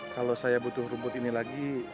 kalau saya butuh rumput ini lagi